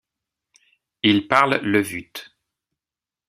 Ils parlent le vute.